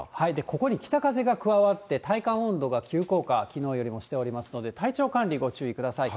ここに北風が加わって、体感温度が急降下、きのうよりもしておりますので、体調管理、ご注意ください。